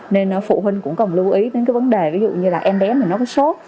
nên phụ huynh cũng cần lưu ý đến cái vấn đề ví dụ như là em bé thì nó có sốt